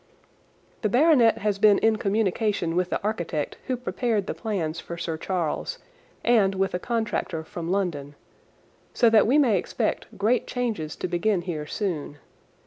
The baronet has been in communication with the architect who prepared the plans for Sir Charles, and with a contractor from London, so that we may expect great changes to begin here soon.